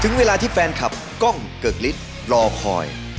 ถึงเวลาที่แฟนคลับก้องเกิกลิดรอคอย